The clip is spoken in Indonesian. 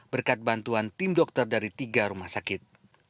berkat bantuan tim dokter dari tiga rumah sakit